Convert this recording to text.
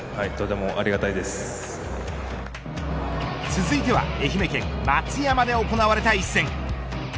続いては愛媛県松山で行われた一戦。